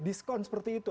diskon seperti itu